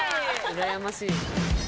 うらやましい。